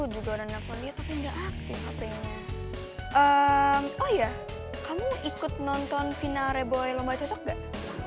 juga udah nelfon dia tapi nggak aktif hpnya oh iya kamu ikut nonton finale boy lomba cocok nggak